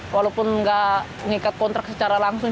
walaupun nggak mengikat kontrak secara langsung